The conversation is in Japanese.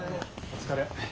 お疲れ。